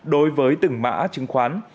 đối với tửng mại chứng khoán